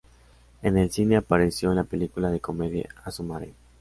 En el cine, apareció en la película de comedia "Asu Mare".